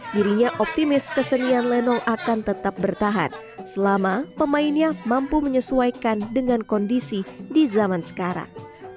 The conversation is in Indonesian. dirinya optimis kesenian lenong akan tetap bertahan selama pemainnya mampu menyesuaikan dengan kondisi di zaman sekarang